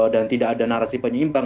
dan tidak ada narasi penyeimbang